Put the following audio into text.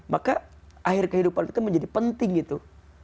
maka akhir kehidupan itu menjadi penting gitu